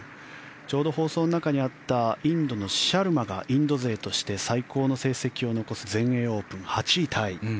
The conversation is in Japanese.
ちょうど放送の中にあったインドのシャルマがインド勢として最高の成績を残す全英オープン８位タイ。